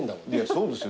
そうですよ。